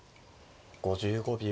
５５秒。